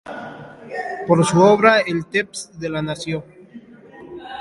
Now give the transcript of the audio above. Por su obra, "El temps de la nació.